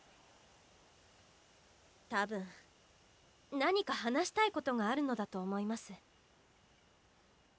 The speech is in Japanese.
多分何か話したいことがあるのだと思います。